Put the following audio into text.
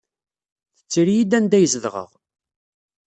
Tetter-iyi-d anda ay zedɣeɣ.